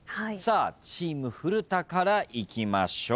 チーム古田からいきましょう。